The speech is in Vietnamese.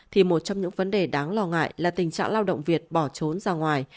thì một trong những vấn đề đáng lo ngại là tình trạng lao động việt bỏ trốn ra ngoài